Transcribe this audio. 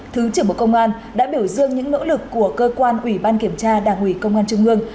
thứ trưởng bộ công an đã biểu dương những nỗ lực của cơ quan ủy ban kiểm tra đảng ủy công an trung ương